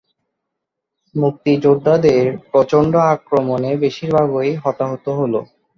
মুক্তিযোদ্ধাদের প্রচণ্ড আক্রমণে বেশির ভাগই হতাহত হলো।